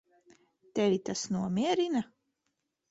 Tevi tas nomierina?